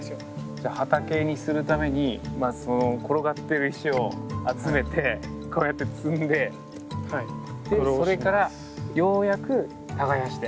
じゃあ畑にするためにまずその転がってる石を集めてこうやって積んででそれからようやく耕して。